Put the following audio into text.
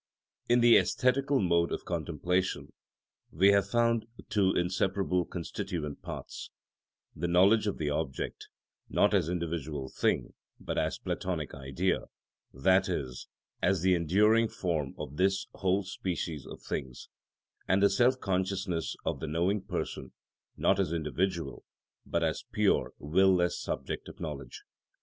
§ 38. In the æsthetical mode of contemplation we have found two inseparable constituent parts—the knowledge of the object, not as individual thing but as Platonic Idea, that is, as the enduring form of this whole species of things; and the self consciousness of the knowing person, not as individual, but as pure will less subject of knowledge.